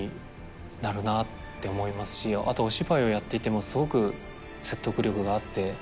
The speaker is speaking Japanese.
あとお芝居をやっていてもすごく説得力があって。